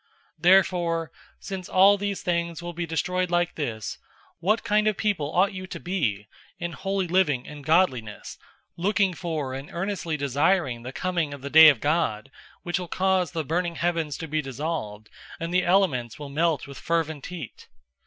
003:011 Therefore since all these things will be destroyed like this, what kind of people ought you to be in holy living and godliness, 003:012 looking for and earnestly desiring the coming of the day of God, which will cause the burning heavens to be dissolved, and the elements will melt with fervent heat?